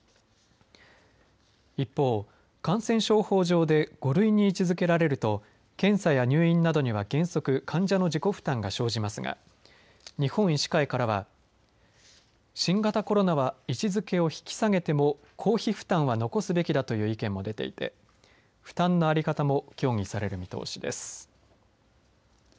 一方、感染症法上で５類に位置づけられると検査や入院などには原則患者の自己負担が生じますが日本医師会からは新型コロナは位置づけを引き下げても公費負担は残すべきだという意見も出ていて負担のあり方も協議される見通しです。